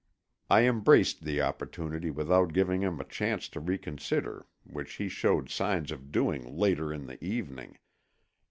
I embraced the opportunity without giving him a chance to reconsider which he showed signs of doing later in the evening.